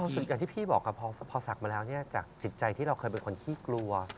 ก็มีความสุขอย่างที่พี่บอกครับพอสักมาแล้วจากจิตใจที่เราเคยเป็นคนที่กลัว